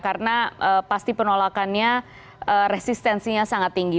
karena pasti penolakannya resistensinya sangat tinggi